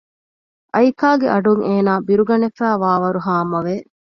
އައިކާގެ އަޑުން އޭނާ ބިރުގަނެފައިވާވަރު ހާމަވެ